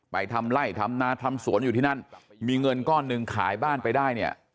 ทำไล่ทำนาทำสวนอยู่ที่นั่นมีเงินก้อนหนึ่งขายบ้านไปได้เนี่ย